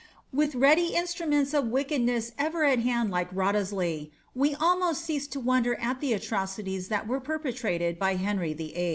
With ready instru uents of wickedness ever at hand like Wriothesley, we almost cease to Wonder at the atrocities that were perpetrated by Henry VIII.